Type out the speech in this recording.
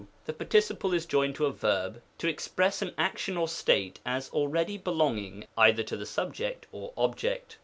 The participle is joined to a verb to express an action or state as already belonging either to the sub ject or object.